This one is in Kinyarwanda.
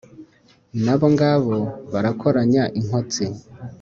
na bo ngabo barakoranya inkotsi